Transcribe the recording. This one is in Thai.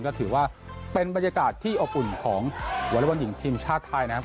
ก็ถือว่าเป็นบรรยากาศที่อบอุ่นของวอเล็กบอลหญิงทีมชาติไทยนะครับ